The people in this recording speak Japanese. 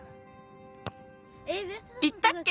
いったっけ？